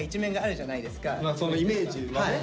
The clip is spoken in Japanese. そのイメージはね。え？